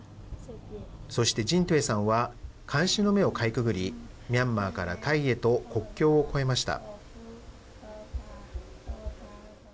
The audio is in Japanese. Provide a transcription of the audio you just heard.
そしてジン・トゥエーさんは、監視の目をかいくぐり、ミャンマーからタイへと国境を越えました。